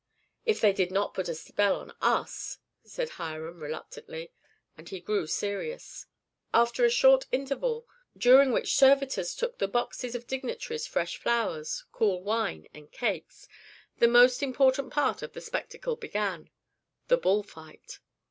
"If they did not put a spell on us," said Hiram, reluctantly; and he grew serious. After a short interval, during which servitors took to the boxes of dignitaries fresh flowers, cool wine and cakes, the most important part of the spectacle began, the bull fight.